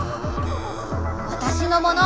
わたしのもの！